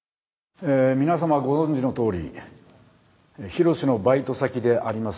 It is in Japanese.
え皆様ご存じのとおり緋炉詩のバイト先であります